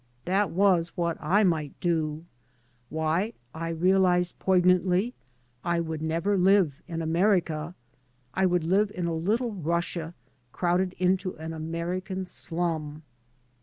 That was what I might do. Why, I realised poignantly, I would never live in America I I would live in a little Russia crowded into an American slum.